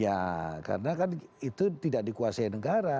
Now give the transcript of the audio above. ya karena kan itu tidak dikuasai negara